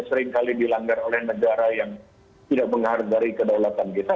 seringkali dilanggar oleh negara yang tidak menghargai kedaulatan kita